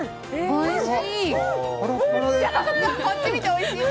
おいしい！